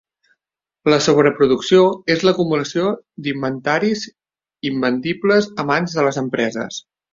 La sobreproducció és l'acumulació d'inventaris invendibles a mans de les empreses.